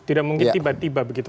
tidak mungkin tiba tiba begitu